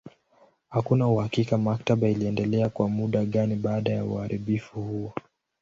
Hakuna uhakika maktaba iliendelea kwa muda gani baada ya uharibifu huo.